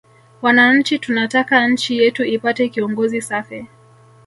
Wananchi tunataka nchi yetu ipate kiongozi safi